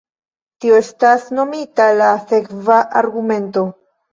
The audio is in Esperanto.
Tio estas nomita la sekva argumento.